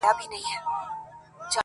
o انسان د بادو بنۍ ده.